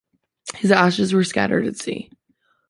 His ashes were scattered at sea.